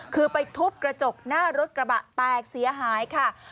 คือไปทุบกระจกหน้ารถกระบะแตกเสียหายค่ะ